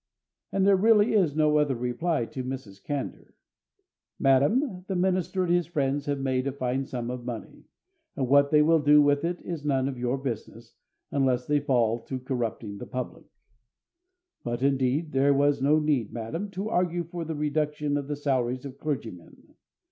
And there really is no other reply to Mrs. Candour: Madam, the minister and his friends have made a fine sum of money; and what they will do with it is none of your business, unless they fall to corrupting the public. But, indeed, there was no need, madam, to argue for the reduction of the salaries of clergymen.